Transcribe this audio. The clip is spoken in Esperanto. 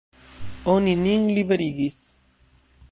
Oni nin liberigis.